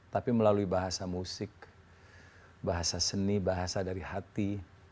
tapi melalui bahasa musik bahasa seni bahasa dari hati